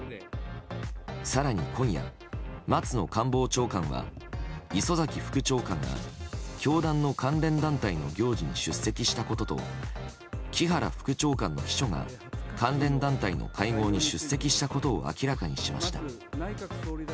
更に今夜、松野官房長官は磯崎副長官が教団の関連団体の行事に出席したことと木原副長官の秘書が関連団体の会合に出席したことを明らかにしました。